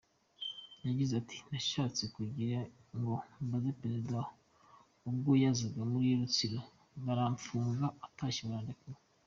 Yagize ati “Nashatse kugira ngo mbaze Perezida ubwo yazaga muri Rutsiro baramfunga, atashye barandekura.